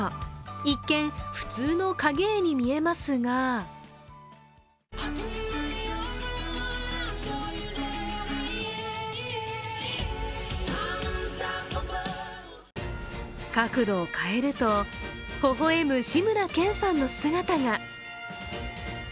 一見、普通の影絵に見えますが角度を変えると、ほほ笑む志村けんさんの姿が。